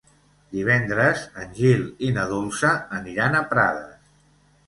Divendres en Gil i na Dolça aniran a Prades.